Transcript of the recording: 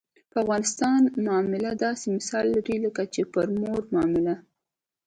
په افغانستان معامله داسې مثال لري لکه چې پر مور معامله.